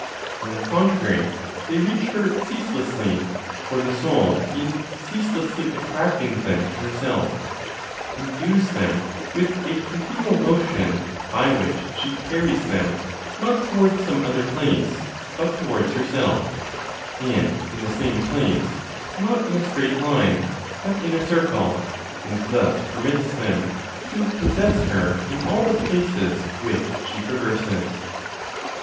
On the contrary, they reach her ceaselessly; for the Soul, in ceaselessly attracting them to herself, endues them with a continual motion by which she carries them, not towards some other place, but towards herself, and in the same place, not in a straight line, but in a circle, and thus permits them to possess her in all the places which she traverses.